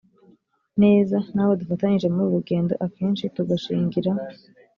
neza n abo dufatanyije muri uru rugendo akenshi tugashingira